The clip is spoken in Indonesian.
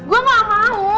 gue gak mau